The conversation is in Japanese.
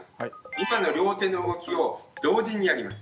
今の両手の動きを同時にやります。